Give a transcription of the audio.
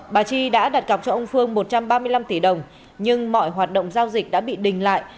bà chi đã đặt cọc cho ông phương một trăm ba mươi năm tỷ đồng nhưng mọi hoạt động giao dịch đã bị đình lại